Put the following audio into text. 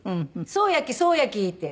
「そうやきそうやき」って